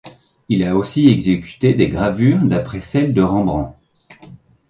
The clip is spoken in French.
Il a aussi exécuté des gravures d'après celles de Rembrandt.